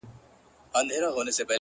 لوړ دی ورگورمه’ تر ټولو غرو پامير ښه دی’